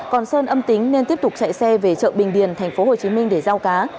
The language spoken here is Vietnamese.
còn sơn âm tính nên tiếp tục chạy xe về chợ bình điền thành phố hồ chí minh để giao cá